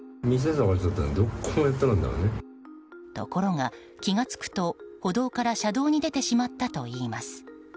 ところが、気が付くと歩道から車道に出てしまったといいます。